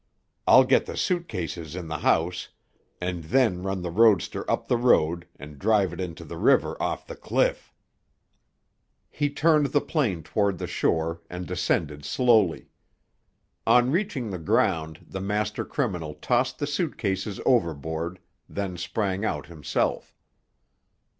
I'll get the suit cases in the house, and then run the roadster up the road and drive it into the river off the cliff." He turned the plane toward the shore and descended slowly. On reaching the ground the master criminal tossed the suit cases overboard, then sprang out himself.